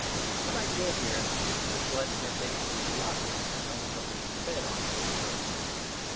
But I deal here with what ethic and philosophy come from being fed on fairy tales.